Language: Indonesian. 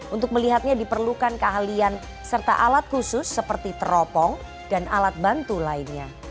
untuk melihatnya diperlukan keahlian serta alat khusus seperti teropong dan alat bantu lainnya